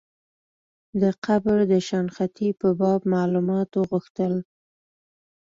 د قبر د شنختې په باب معلومات وغوښتل.